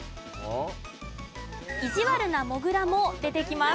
意地悪なモグラも出てきます。